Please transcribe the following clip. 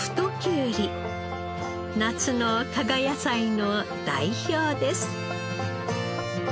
夏の加賀野菜の代表です。